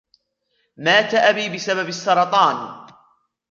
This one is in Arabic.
مات أبي بسبب السرطان.